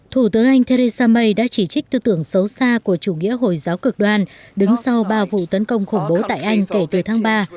thủ tướng anh theresa may đã chỉ trích tư tưởng xấu xa của chủ nghĩa hồi giáo cực đoan đứng sau ba vụ tấn công khủng bố tại anh kể từ tháng ba